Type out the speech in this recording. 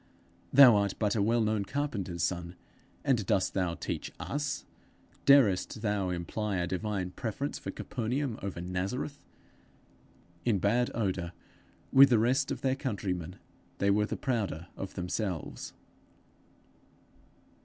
'Thou art but a well known carpenter's son, and dost thou teach us! Darest thou imply a divine preference for Capernaum over Nazareth?' In bad odour with the rest of their countrymen, they were the prouder of themselves.